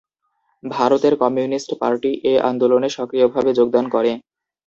ভারতের communist party এ আন্দোলনে সক্রিয় ভাবে যোগদান করে।